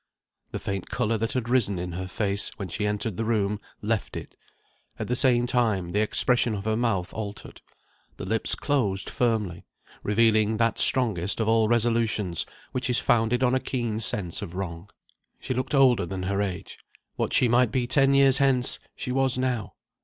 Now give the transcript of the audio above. The faint colour that had risen in her face, when she entered the room, left it. At the same time, the expression of her mouth altered. The lips closed firmly; revealing that strongest of all resolutions which is founded on a keen sense of wrong. She looked older than her age: what she might be ten years hence, she was now.